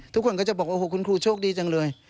ทุกคนก็จะบอกโอ้โหคุณครูโชคดีจังเลย